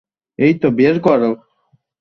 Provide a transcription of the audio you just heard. এইতো, বের করো!